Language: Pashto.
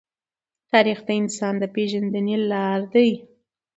تاریخ د انسان د پېژندنې لار دی.